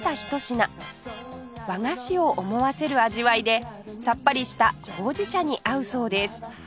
和菓子を思わせる味わいでさっぱりしたほうじ茶に合うそうです